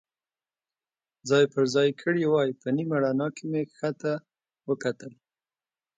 ځای پر ځای کړي وای، په نیمه رڼا کې مې کښته ته وکتل.